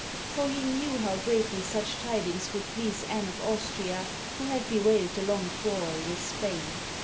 for he knew how greatly such tidmgs would please Anne of Austria, who had bewailed the long quarrel with Spain.